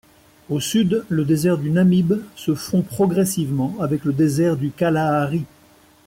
Au sud, le désert du Namib se fond progressivement avec le désert du Kalahari.